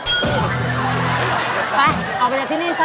ออกไปออกไปจากที่นี่ซะ